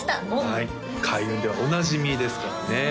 はい開運ではおなじみですからね